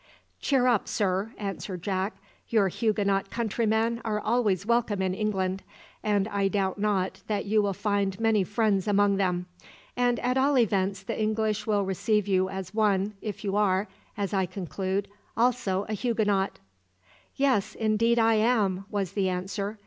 "Cheer up, sir," answered Jack; "your Huguenot countrymen are always welcome in England, and I doubt not that you will find many friends among them; and at all events the English will receive you as one, if you are, as I conclude, also a Huguenot." "Yes, indeed I am!" was the answer.